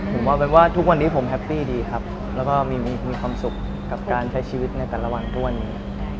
ผมว่าเป็นว่าทุกวันนี้ผมแฮปปี้ดีครับแล้วก็มีความสุขกับการใช้ชีวิตในแต่ละวันทุกวันนี้